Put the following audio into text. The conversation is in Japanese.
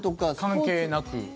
関係なく。